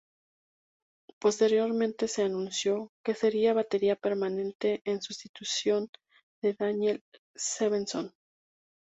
Posteriormente se anunció que sería batería permanente en sustitución de Daniel Svensson.